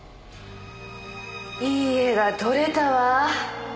いい画が撮れたわ。